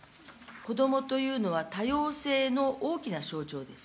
子どもというのは多様性の大きな象徴です。